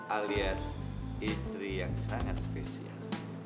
alias istri yang sangat spesial